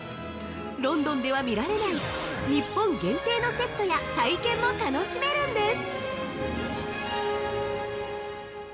ロンドンでは見られない日本限定のセットや体験も楽しめるんです！